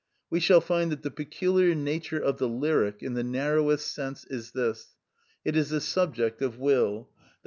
we shall find that the peculiar nature of the lyric, in the narrowest sense, is this: It is the subject of will, _i.